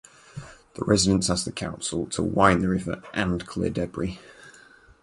The residents asked the Council to widen the river and clear debris.